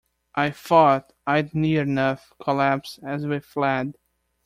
I thought I'd near enough collapse as we fled.